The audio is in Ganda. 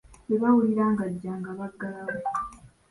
Bwe baawulira nga ajja nga bagalawo.